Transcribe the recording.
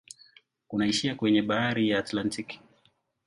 Unaishia kwenye bahari ya Atlantiki.